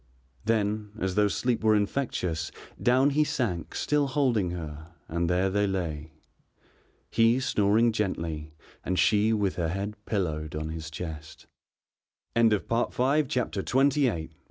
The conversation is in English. Then, as though sleep were infectious, down he sank still holding her and there they lay. He snoring gently and she with her head pillowed on his chest. CHAPTER XXIX THE SUMMIT "I will break thee."